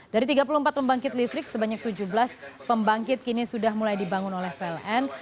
dari tiga puluh empat pembangkit listrik sebanyak tujuh belas pembangkit kini sudah mulai dibangun oleh pln